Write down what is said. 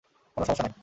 কোনো সমস্যা নাই।